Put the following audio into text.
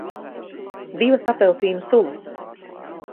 Divas apelsīnu sulas.